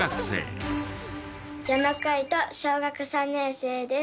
矢野翔大小学３年生です。